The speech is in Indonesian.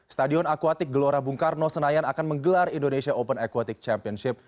stadion akuatik gelora bung karno senayan akan menggelar indonesia open aquatic championship